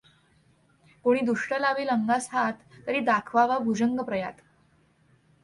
कुणी दुष्ट लावील अंगास हात, तरी दाखवावा भुजंगप्रयात.